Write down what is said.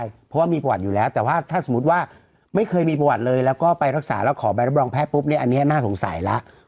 เพราะว่ามีประวัติอยู่แล้วแต่ว่าถ้าสมมุติว่าไม่เคยมีประวัติเลยแล้วก็ไปรักษาแล้วขอใบรับรองแพทย์ปุ๊บเนี่ยอันนี้น่าสงสัยแล้ว